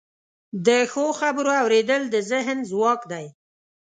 د ښو خبرو اوریدل د ذهن ځواک دی.